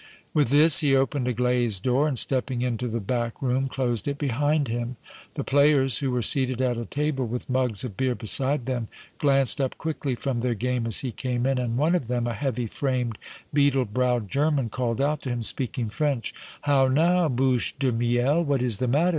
With this he opened a glazed door, and, stepping into the back room, closed it behind him. The players, who were seated at a table, with mugs of beer beside them, glanced up quickly from their game as he came in, and one of them, a heavy framed, beetle browed German, called out to him, speaking French: "How now, Bouche de Miel, what is the matter?